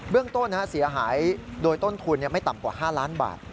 เรื่องต้นเสียหายโดยต้นทุนไม่ต่ำกว่า๕ล้านบาท